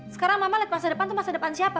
sekarang mama lihat masa depan tuh masa depan siapa